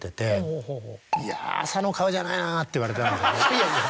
いやいや。